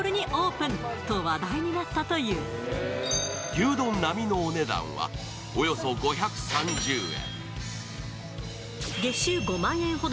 牛丼並のお値段はおよそ５３０円。